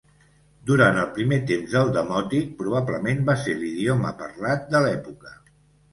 Durant els primers temps del Demòtic, probablement va ser l'idioma parlat de l'època.